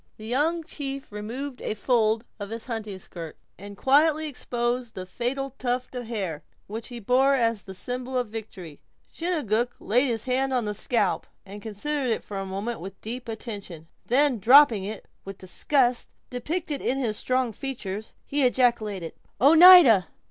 The young chief removed a fold of his hunting skirt, and quietly exposed the fatal tuft of hair, which he bore as the symbol of victory. Chingachgook laid his hand on the scalp, and considered it for a moment with deep attention. Then dropping it, with disgust depicted in his strong features, he ejaculated: "Oneida!"